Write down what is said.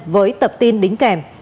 với tập tin đính kèm